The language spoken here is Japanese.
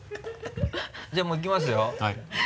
じゃあもういきますよ。